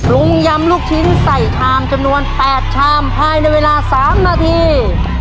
ลุงยำลูกชิ้นใส่ชามจำนวน๘ชามภายในเวลา๓นาที